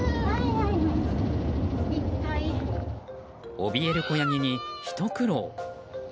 おびえる子ヤギに、ひと苦労。